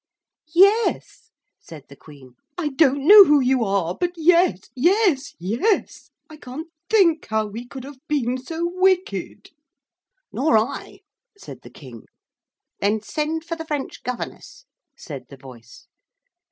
'Yes,' said the Queen, 'I don't know who you are, but, yes, yes, yes. I can't think how we could have been so wicked.' 'Nor I,' said the King. 'Then send for the French governess,' said the voice.